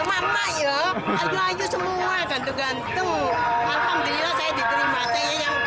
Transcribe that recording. mereka juga berpengalaman untuk meramaikan kegiatan ini